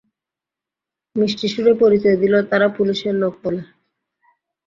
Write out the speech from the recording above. মিষ্টি সুরে পরিচয় দিল তারা পুলিশের লোক বলে।